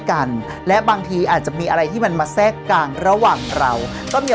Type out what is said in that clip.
กันและบางทีอาจจะมีอะไรที่มันมาแทรกกลางระหว่างเราก็มี